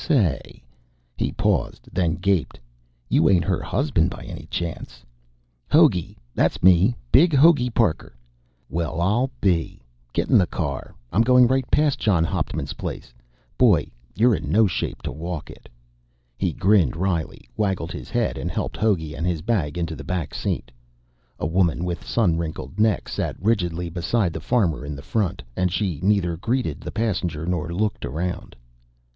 Say " He paused, then gaped. "You ain't her husband by any chance?" "Hogey, that's me. Big Hogey Parker." "Well, I'll be ! Get in the car. I'm going right past John Hauptman's place. Boy, you're in no shape to walk it." He grinned wryly, waggled his head, and helped Hogey and his bag into the back seat. A woman with a sun wrinkled neck sat rigidly beside the farmer in the front, and she neither greeted the passenger nor looked around.